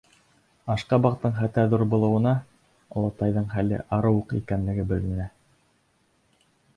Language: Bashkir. Ашҡабаҡтың хәтәр ҙур булыуынан олатайҙың хәле арыу уҡ икәнлеге беленә.